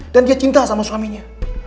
dan dia cinta sama suaminya